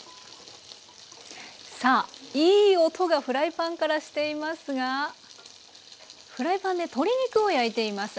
さあいい音がフライパンからしていますがフライパンで鶏肉を焼いています。